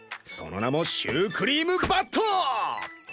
その名もシュークリーム・バット！